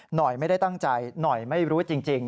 หน่อยไม่ได้ตั้งใจหน่อยไม่รู้จริง